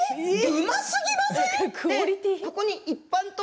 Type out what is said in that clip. うますぎません？